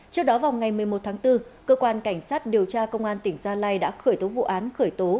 trước đó vào ngày một mươi một tháng bốn cơ quan cảnh sát điều tra công an tp hcm đã khởi tố vụ án khởi tố